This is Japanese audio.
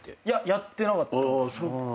やってなかったですね。